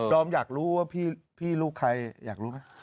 ลองอยากรู้ว่าพี่รู้ใคร